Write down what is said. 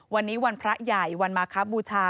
วันนี้วันพระใหญ่วันมาครับบูชา